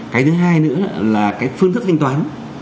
cái thứ hai nữa là cái phương thức thanh toán